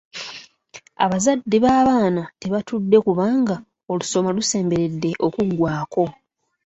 Abazadde b'abaana tebatudde kubanga olusoma lusemberedde okuggwaako